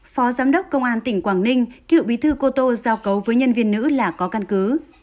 phó giám đốc công an tỉnh quảng ninh cựu bí thư cô tô giao cấu với nhân viên nữ là có căn cứ